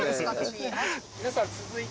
皆さん続いて。